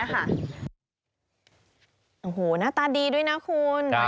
โอ้โหหน้าตาดีด้วยนะคุณ